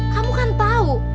kamu kan tau